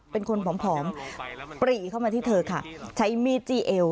เป็นคนผอมปรีเข้ามาที่เธอค่ะใช้มีดจี้เอว